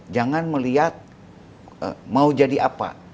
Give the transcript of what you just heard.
jangan melihat mau jadi apa